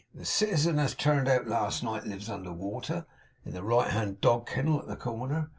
The citizen as turned out last night, lives under water, in the right hand dog kennel at the corner.